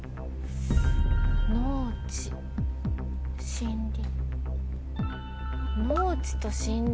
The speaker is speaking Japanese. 「農地」「森林」。